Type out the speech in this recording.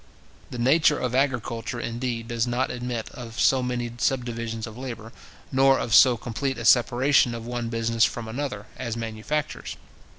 The nature of agriculture, indeed, does not admit of so many subdivisions of labour, nor of so complete a separation of one business from another, as manufactures.